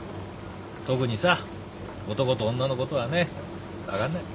特にさ男と女のことはね分かんない。